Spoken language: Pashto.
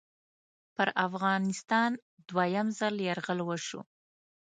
پر افغانستان دوهم ځل یرغل وشو.